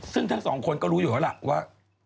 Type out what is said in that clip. ซึ่งทั้งสองคนก็รู้อยู่แล้วล่ะว่า